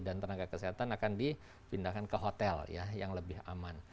dan tenaga kesehatan akan dipindahkan ke hotel ya yang lebih aman